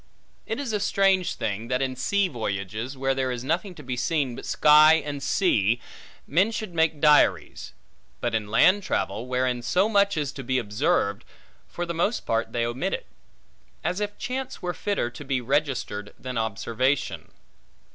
It is a strange thing, that in sea voyages, where there is nothing to be seen, but sky and sea, men should make diaries; but in land travel, wherein so much is to be observed, for the most part they omit it; as if chance were fitter to be registered, than observation.